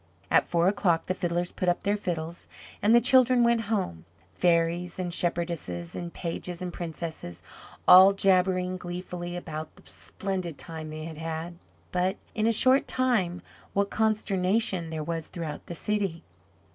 At four o'clock the fiddlers put up their fiddles and the children went home; fairies and shepherdesses and pages and princesses all jabbering gleefully about the splendid time they had had. But in a short time what consternation there was throughout the city.